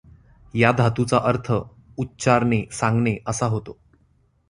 या धातूचा अर्थ उच्चारणे, सांगणे असा होतो.